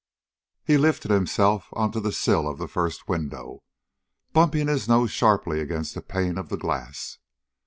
He lifted himself onto the sill of the first window, bumping his nose sharply against the pane of the glass.